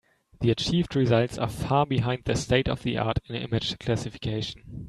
The achieved results are far behind the state-of-the-art in image classification.